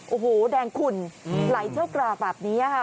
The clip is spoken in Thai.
โอ้โหแดงขุ่นไหลเชี่ยวกรากแบบนี้ค่ะ